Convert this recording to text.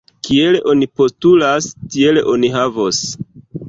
Kiel oni postulas, tiel oni havos!